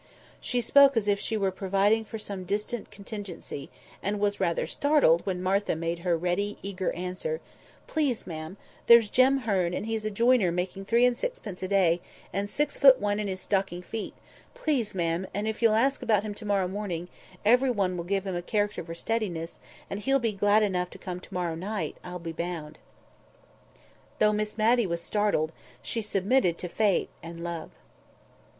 She spoke as if she were providing for some distant contingency, and was rather startled when Martha made her ready eager answer— "Please, ma'am, there's Jem Hearn, and he's a joiner making three and sixpence a day, and six foot one in his stocking feet, please, ma'am; and if you'll ask about him to morrow morning, every one will give him a character for steadiness; and he'll be glad enough to come to morrow night, I'll be bound." Though Miss Matty was startled, she submitted to Fate and Love.